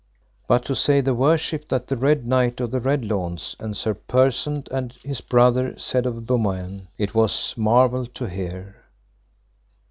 But to say the worship that the Red Knight of the Red Launds, and Sir Persant and his brother said of Beaumains, it was marvel to hear.